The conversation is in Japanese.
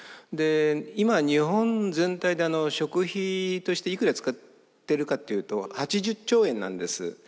で今日本全体で食費としていくら使ってるかっていうと８０兆円なんです。